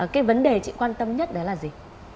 cái vấn đề chị quan tâm nhất đó là gì